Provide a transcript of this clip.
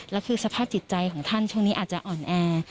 แล้วคือสภาพจิตใจของท่านช่วงนี้อาจจะอ่อนแอ